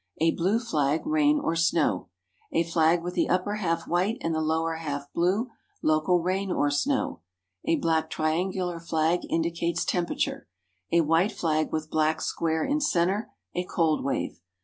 A blue flag, rain or snow. A flag with the upper half white and the lower half blue, local rain or snow. A black triangular flag indicates temperature. A white flag with black square in center, a cold wave.